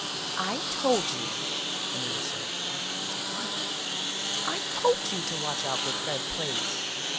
"I told you," Anita said. "What?" "I told you to watch out for Fred Plaice!"